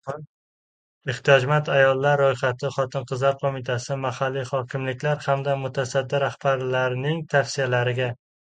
Ehtiyojmand ayollar roʻyxati Xotin-qizlar qoʻmitasi, mahalliy hokimliklar hamda mutasaddi rahbarlarning tavsiyalariga koʻra shakllantiriladi.